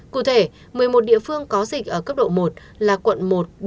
cụ thể một mươi một địa phương có dịch ở cấp độ một là quận một bốn sáu bảy tám một mươi một